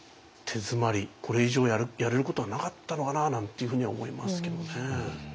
これ以上やれることはなかったのかなあなんていうふうには思いますけどね。